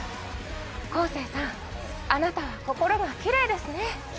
昴生さんあなたは心がきれいですね